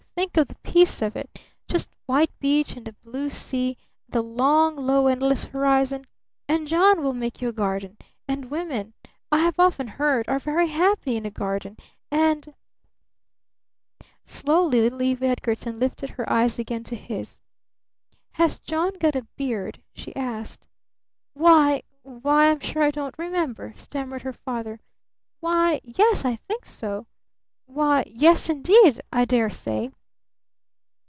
Think of the peace of it! Just white beach, and a blue sea, and the long, low, endless horizon. And John will make you a garden! And women I have often heard are very happy in a garden! And " Slowly little Eve Edgarton lifted her eyes again to his. "Has John got a beard?" she asked. "Why why, I'm sure I don't remember," stammered her father. "Why, yes, I think so why, yes, indeed I dare say!"